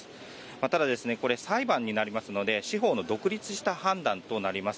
ただ、裁判になりますので司法の独立した判断となります。